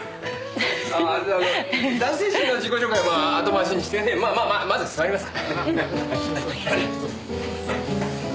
ああ男性陣の自己紹介は後回しにしてねまあまあまあまず座りますか。